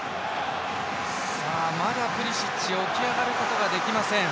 まだプリシッチ起き上がることができません。